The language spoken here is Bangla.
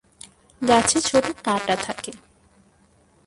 গাছে ছোট কাঁটা থাকে।